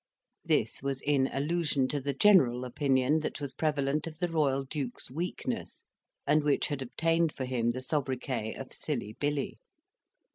This was in allusion to the general opinion that was prevalent of the Royal Duke's weakness, and which had obtained for him the sobriquet of "Silly Billy."